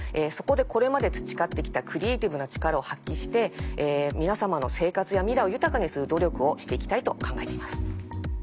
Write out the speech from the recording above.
そこでこれまで培って来たクリエイティブな力を発揮して皆様の生活や未来を豊かにする努力をして行きたいと考えています。